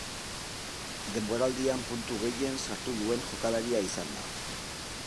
Denboraldian puntu gehien sartu duen jokalaria izan da.